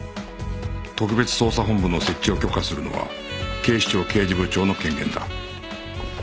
特別捜査本部の設置を許可するのは警視庁刑事部長の権限だ